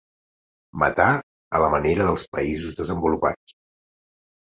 Matar a la manera dels països desenvolupats.